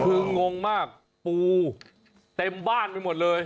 คืองงมากปูเต็มบ้านไปหมดเลย